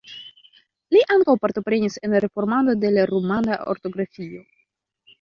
Li ankaŭ partoprenis en reformado de la rumana ortografio.